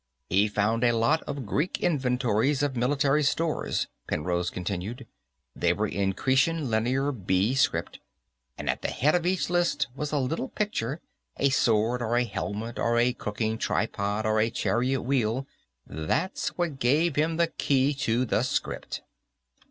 "He found a lot of Greek inventories of military stores," Penrose continued. "They were in Cretan Linear B script, and at the head of each list was a little picture, a sword or a helmet or a cooking tripod or a chariot wheel. That's what gave him the key to the script."